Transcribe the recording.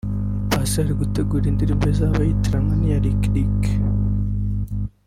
Paccy arimo gutegura indirimbo izaba yitiranwa n’iyi ya Licklick